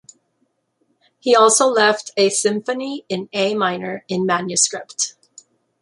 He also left a Symphony in A minor in manuscript.